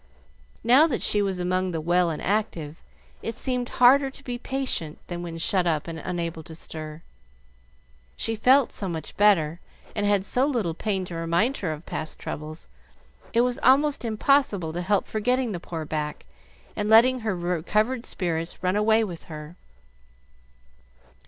Now that she was among the well and active, it seemed harder to be patient than when shut up and unable to stir. She felt so much better, and had so little pain to remind her of past troubles, it was almost impossible to help forgetting the poor back and letting her recovered spirits run away with her.